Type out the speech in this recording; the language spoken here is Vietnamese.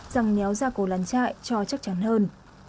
rằng nhéo ra cầu lán chạy cho chắc chắn hơn